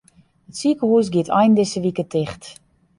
It sikehús giet ein dizze wike ticht.